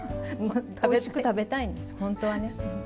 おいしく食べたいんです、本当はね。